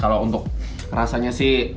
kalau untuk rasanya sih